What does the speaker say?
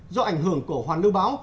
do ảnh hưởng của hoàn lưu báo